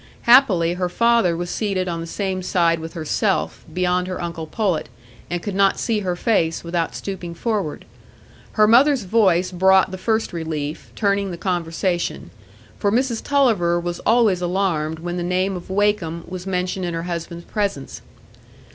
Happily, her father was seated on the same side with herself, beyond her uncle Pullet, and could not see her face without stooping forward. Her mother's voice brought the first relief, turning the conversation; for Mrs Tulliver was always alarmed when the name of Wakem was mentioned in her husband's presence.